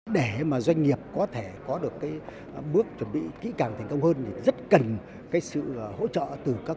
để doanh nghiệp có thể có được bước chuẩn bị kỹ càng thành công hơn thì rất cần sự hỗ trợ từ các